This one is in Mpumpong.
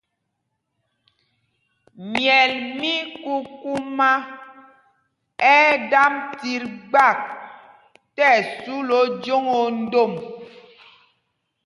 Myɛl mí kukumá ɛ́ ɛ́ damb tit gbak tí ɛsu lɛ ojǒŋ o ndom.